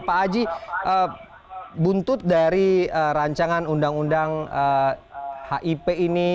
pak aji buntut dari rancangan undang undang hip ini